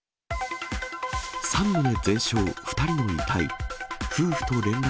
３棟全焼、２人の遺体。